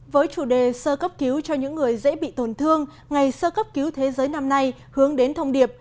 với chủ đề sơ cấp cứu cho những người dễ bị tổn thương ngày sơ cấp cứu thế giới năm nay hướng đến thông điệp